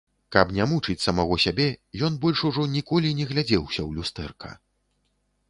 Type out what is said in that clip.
Каб не мучыць самога сябе, ён больш ужо ніколі не глядзеўся ў люстэрка.